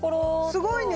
すごいね。